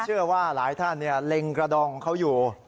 ผมเชื่อว่าหลายท่านเนี่ยเหลงกระดองเขาอยู่